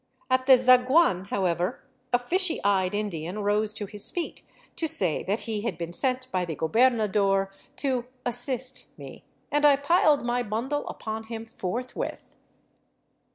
At the zaguan, however, a fishy eyed Indian rose to his feet to say that he had been sent by the gobernador to " assist " me, and I piled my bundle upon him forthwith.